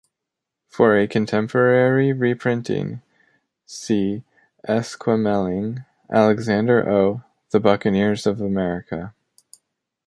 For a contemporary reprinting, see Esquemeling, Alexander O., The Buccaneers of America.